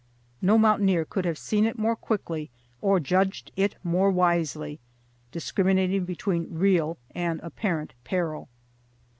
No mountaineer could have seen it more quickly or judged it more wisely, discriminating between real and apparent peril.